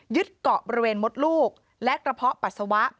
เกาะบริเวณมดลูกและกระเพาะปัสสาวะ